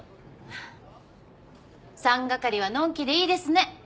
ハァ三係はのんきでいいですね。